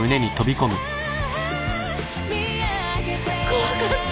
怖かった！